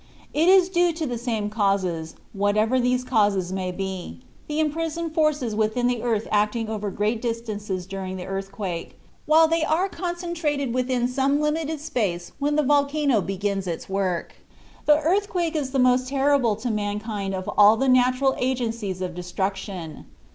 It is due to the same causes, whatever these causes may be, the imprisoned forces within the earth acting over great distances during the earthquake, while they are concentrated within some limited space when the volcano begins its work. The earthquake is the most terrible to mankind of all the natural agencies of destruction.